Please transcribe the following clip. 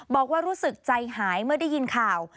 บอกว่ารู้สึกใจหายเมื่อได้ยินข่าว